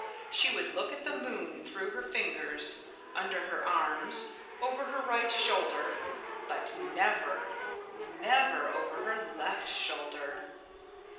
She would look at the moon through her fingers, under her arms, over her right shoulder but never never over her left shoulder.